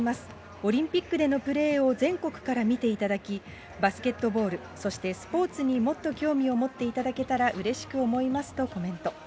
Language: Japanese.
オリンピックでのプレーを全国から見ていただき、バスケットボール、そしてスポーツにもっと興味を持っていただけたらうれしく思いますとコメント。